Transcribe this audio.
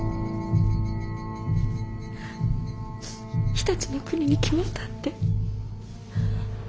常陸国に決まったって。